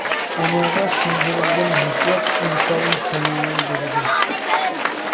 ئۇنىڭغا سىڭدۈرۈلگەن ھېسسىيات ئىنتايىن سەمىمىي بولىدۇ.